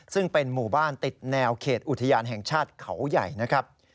ซึ่งเป็นหมู่บ้านติดแนวเขตอุทยานแห่งชาติเขาใหญ่นะครับ